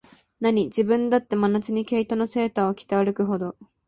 なに、自分だって、真夏に毛糸のセーターを着て歩くほど、